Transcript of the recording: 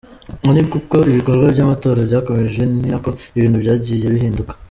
Ariko uko ibikorwa by'amatora byakomeje, ni nako ibintu byagiye bihinduka.